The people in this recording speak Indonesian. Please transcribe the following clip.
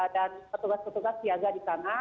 dan petugas petugas siaga di sana